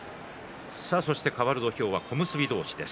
かわる土俵は小結同士です。